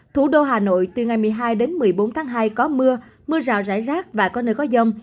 thủ đô hà nội từ ngày một mươi hai đến một mươi bốn tháng hai có mưa mưa rào rải rác và có nơi có dông